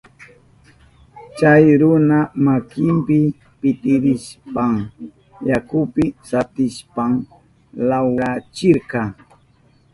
Chay runa makinpi pitirishpan yakupi satishpan lawrachirka.